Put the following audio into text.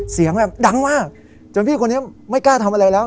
เสียงแบบดังมากจนพี่คนนี้ไม่กล้าทำอะไรแล้ว